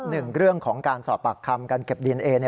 หนึ่งเรื่องของการสอบปากคำการเก็บดีเอนเอ